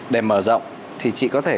để mở rộng thì chị có thể